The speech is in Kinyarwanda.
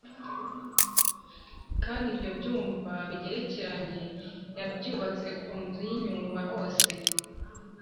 Kandi ibyo byumba bigerekeranye yabyubatse ku nzu y’inyumba hose